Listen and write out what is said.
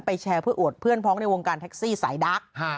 แชร์เพื่ออวดเพื่อนพ้องในวงการแท็กซี่สายดัก